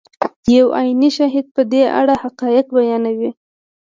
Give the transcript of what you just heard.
یو عیني شاهد په دې اړه حقایق بیانوي.